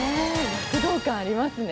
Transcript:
躍動感ありますね。